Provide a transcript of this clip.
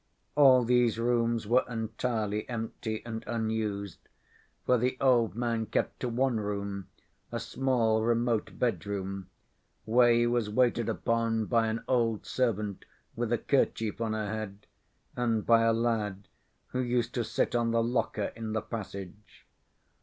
All these rooms were entirely empty and unused, for the old man kept to one room, a small, remote bedroom, where he was waited upon by an old servant with a kerchief on her head, and by a lad, who used to sit on the locker in the passage.